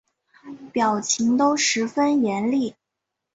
表情都十分严厉